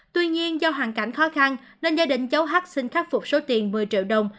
tuy nhiên do hoàn cảnh khó khăn nên gia đình cháu hát xin khắc phục số tiền một mươi triệu đồng